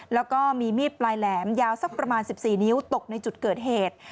แล้วก็มีมีดปลายแหลมยาวสักประมาณ๑๔นิ้วตกในจุดเกิดเหตุ